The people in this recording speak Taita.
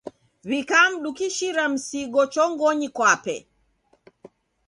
W'ikamdukishira msigo chongonyi kwape.